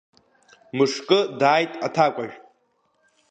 Мышкы дааит аҭакәажә…